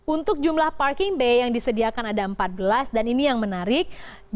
untuk jumlah parking bay yang disediakan ada empat belas dan ini yang menarik